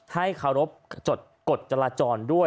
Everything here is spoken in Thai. ให้เคารพจดกฎจราจรด้วย